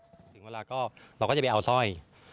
พอจากเวลาก็เราก็ไปเอาสร้อย